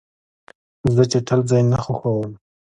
زه چټل ځای نه خوښوم.